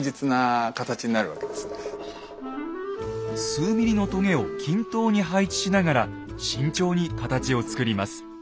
数ミリのとげを均等に配置しながら慎重に形を作ります。